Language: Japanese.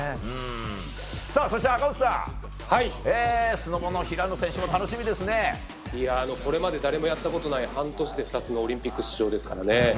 そして、赤星さんスノボの平野選手もこれまで誰もやったことない半年で２つのオリンピック出場ですからね。